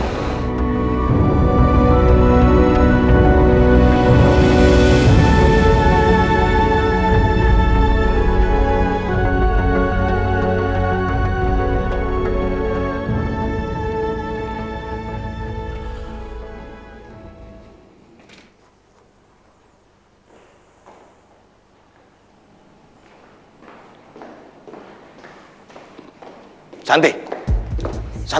kisah kisah kisah